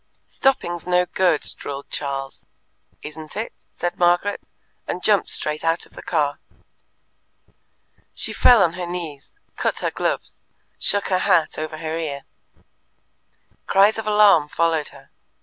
"Stopping's no good," drawled Charles. "Isn't it?" said Margaret, and jumped straight out of the car. She fell on her knees, cut her gloves, shook her hat over her ear. Cries of alarm followed her.